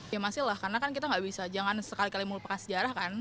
ya masih lah karena kan kita nggak bisa jangan sekali kali muluka sejarah kan